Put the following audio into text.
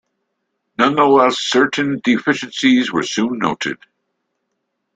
Nonetheless certain deficiencies were soon noted.